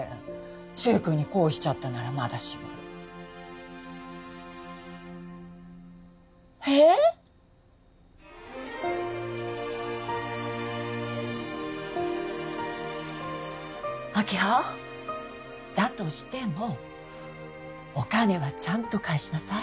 柊くんに恋しちゃったならまだしもええ！？明葉だとしてもお金はちゃんと返しなさい